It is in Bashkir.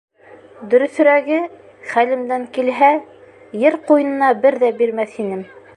Дөрөҫөрәге... хәлемдән килһә... ер ҡуйынына бер ҙә бирмәҫ инем.